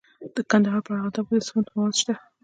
د کندهار په ارغنداب کې د سمنټو مواد شته.